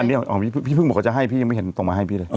อันนี้ของพี่ฟึ้งพี่ฟึ้งบอกว่าจะให้พี่ยังไม่เห็นต้องมาให้พี่เลย